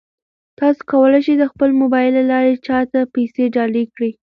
تاسو کولای شئ د خپل موبایل له لارې چا ته پیسې ډالۍ کړئ.